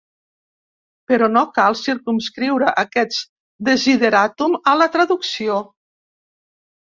Però no cal circumscriure aquest desideràtum a la traducció.